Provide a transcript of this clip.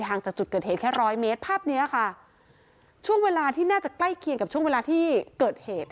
จากจุดเกิดเหตุแค่ร้อยเมตรภาพเนี้ยค่ะช่วงเวลาที่น่าจะใกล้เคียงกับช่วงเวลาที่เกิดเหตุ